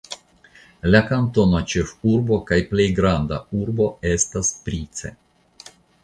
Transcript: La kantona ĉefurbo kaj plej granda urbo estas Price.